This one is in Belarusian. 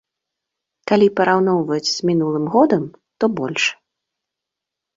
Калі параўноўваць з мінулым годам, то больш.